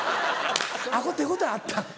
あっこ手応えあったん？